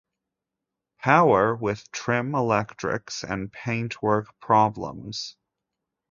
Power, with trim, electrics and paintwork problems.